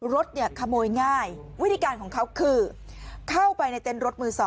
รถเนี่ยขโมยง่ายวิธีการของเขาคือเข้าไปในเต็นต์รถมือ๒